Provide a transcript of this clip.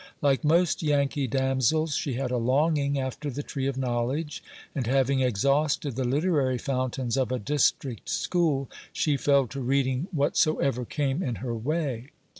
Like most Yankee damsels, she had a longing after the tree of knowledge, and, having exhausted the literary fountains of a district school, she fell to reading whatsoever came in her way.